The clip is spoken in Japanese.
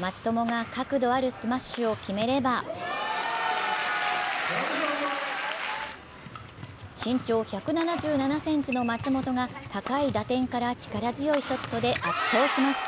松友が角度あるスマッシュを決めれば身長１７７ｃｍの松本が高い打点から力強いショットで圧倒します。